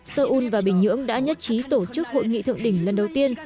seoul và bình nhưỡng đã nhất trí tổ chức hội nghị thượng đỉnh lần đầu tiên